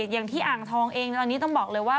อย่างที่อ่างทองเองตอนนี้ต้องบอกเลยว่า